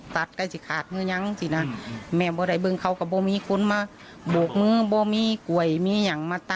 ตัดมาโหลดตุ่มเลย